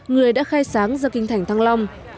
người đã khai sáng ra kinh thành thăng long